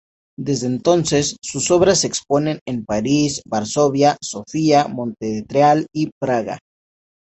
Desde entonces sus obras se exponen en París, Varsovia, Sofía, Montreal y Praga.